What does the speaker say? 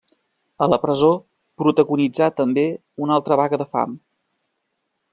A la presó protagonitzà també una altra vaga de fam.